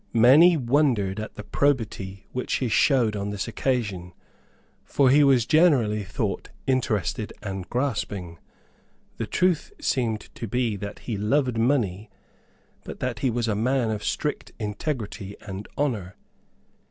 Many people wondered at the probity which he showed on this occasion, for he was generally thought interested and grasping. The truth seems to be that he loved money, but that he was a man of strict integrity and honour.